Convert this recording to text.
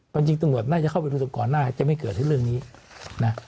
ตรงนั้นจะเข้าไปสมควรจะไม่เกิดภาพเทรคร่ะ